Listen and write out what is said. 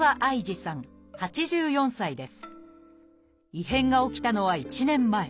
異変が起きたのは１年前。